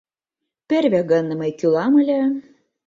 Перве гын, мый кӱлам ыле...